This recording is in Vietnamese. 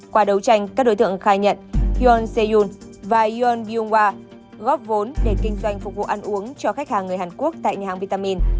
qua đấu tranh các đối tượng khai nhận hyun se yoon và hyun byung hwa góp vốn để kinh doanh phục vụ ăn uống cho khách hàng người hàn quốc tại nhà hàng vitamin